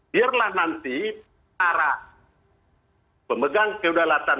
biarlah nanti para pemegang kedaulatan